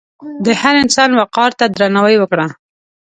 د هر انسان وقار ته درناوی وکړه.